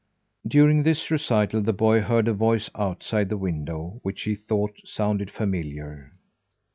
During this recital the boy heard a voice outside the window which he thought sounded familiar.